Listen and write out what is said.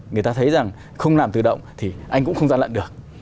người ta thấy rằng không làm tự động thì anh cũng không gian lận được